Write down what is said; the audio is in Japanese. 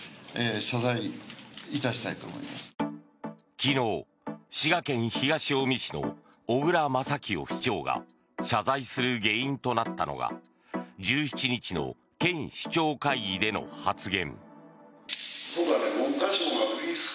昨日、滋賀県東近江市の小椋正清市長が謝罪する原因となったのが１７日の県首長会議での発言。